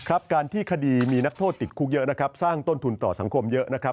ครับการที่คดีมีนักโทษติดคุกเยอะนะครับสร้างต้นทุนต่อสังคมเยอะนะครับ